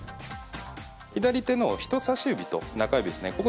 左手の人さし指と中指ですね